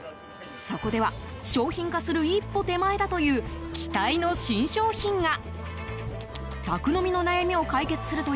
そこでは、商品化する一歩手前だという期待の新商品が。